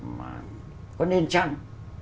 mà có nên chăng